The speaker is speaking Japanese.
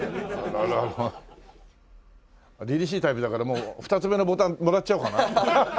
りりしいタイプだからもう２つ目のボタンもらっちゃおうかな。